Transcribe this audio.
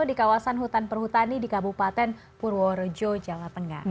di kawasan hutan perhutani di kabupaten purworejo jawa tengah